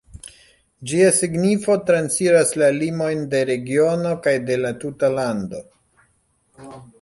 Ĝia signifo transiras la limojn de regiono kaj de la tuta lando.